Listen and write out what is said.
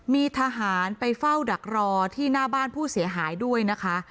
มีทหารไปเฝ้าดักรอที่หน้าบ้านผู้เสียหายด้วยนะคะ